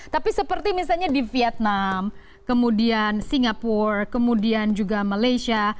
tapi seperti misalnya di vietnam kemudian singapura kemudian juga malaysia